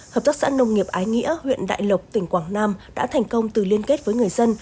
hợp tác xã nông nghiệp ái nghĩa huyện đại lộc tỉnh quảng nam đã thành công từ liên kết với người dân